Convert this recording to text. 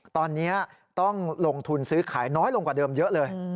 ตอนนี้ต้องลงทุนซื้อขายน้อยลงกว่าเดิมเยอะเลย